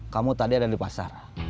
kamu tadi ada di pasar